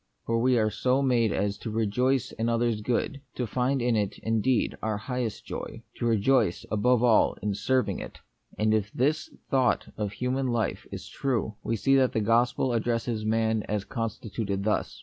For we are so made as to rejoice in others' good, to find in it, indeed, our highest joy, to rejoice, above all, in serving it. And if this thought of human life is true, we see that the gospel addresses man as constituted thus.